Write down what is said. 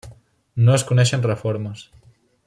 No es coneixen reformes.